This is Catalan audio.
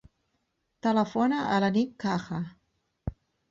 Telefona a la Nit Caja.